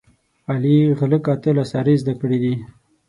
علي غله کاته له سارې زده کړي دي.